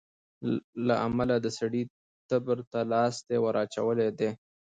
له امله د سړي تبر ته لاستى وراچولى دى.